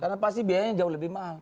karena pasti biayanya jauh lebih mahal